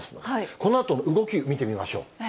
このあと動き、見てみましょう。